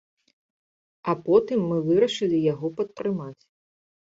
А потым мы вырашылі яго падтрымаць.